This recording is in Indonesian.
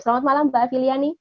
selamat malam mbak afi liani